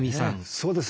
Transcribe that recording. そうですね